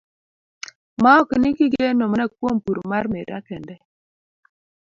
Maok ni gigeno mana kuom pur mar miraa kende.